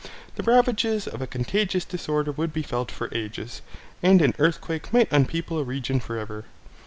The ravages of a contagious disorder would be felt for ages; and an earthquake might unpeople a region for ever.